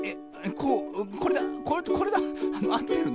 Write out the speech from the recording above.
こうこれだこれだ。あってるの？